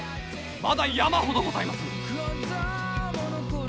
まだ山ほどございまする！